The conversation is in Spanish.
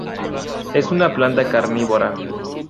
Es una planta carnívora.